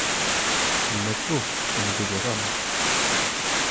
Il ne faut, au milieu de Rome